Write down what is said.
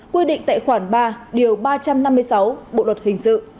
quy định tại khoản ba điều ba trăm năm mươi sáu bộ luật hình sự